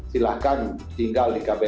silahkan tinggal di kbri